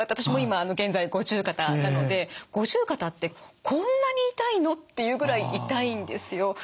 私も今現在五十肩なので五十肩ってこんなに痛いのっていうぐらい痛いんですよ。